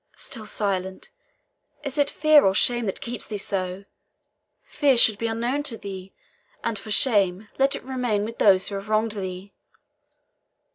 Still silent! Is it fear or shame that keeps thee so! Fear should be unknown to thee; and for shame, let it remain with those who have wronged thee."